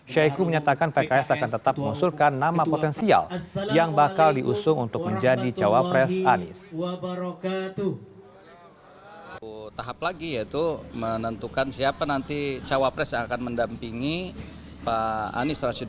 syahiku menyatakan pks akan tetap mengusulkan nama potensial yang bakal diusung untuk menjadi cawapres anies